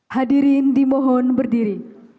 hadirin dimohon berdiri